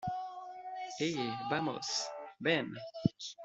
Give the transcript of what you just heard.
eh, vamos... ven ...